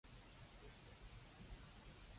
你真係老撚土